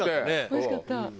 おいしかったね。